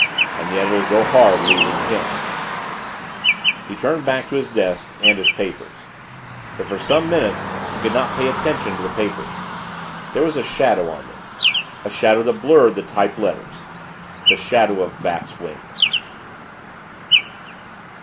And yet it'll go hard losing him " He turned back to his desk and his papers. But for some minutes he could not pay attention to the papers. There was a shadow on them a shadow that blurred the typed letters the shadow of bat's wings.